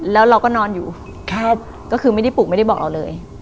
แล้วเราก็นอนอยู่แค่ก็คือไม่ได้ปลูกไม่ได้บอกเราเลย